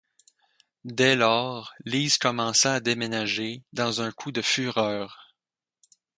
Dès lors, Lise commença à déménager, dans un coup de fureur.